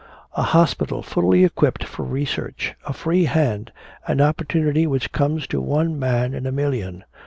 A hospital fully equipped for research, a free hand, an opportunity which comes to one man in a million!